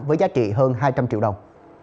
với giá trị hơn hai trăm linh triệu đồng